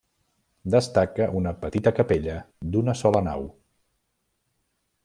Destaca una petita capella d'una sola nau.